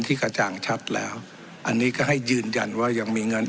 กระจ่างชัดแล้วอันนี้ก็ให้ยืนยันว่ายังมีเงิน